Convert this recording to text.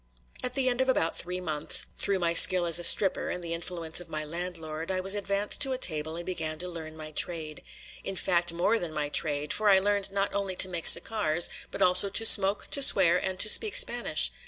At the end of about three months, through my skill as a "stripper" and the influence of my landlord, I was advanced to a table and began to learn my trade; in fact, more than my trade; for I learned not only to make cigars, but also to smoke, to swear, and to speak Spanish.